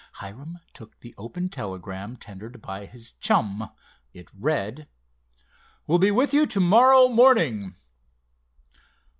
Hiram took the open telegram tendered by his chum. It read: "Will be with you to morrow morning."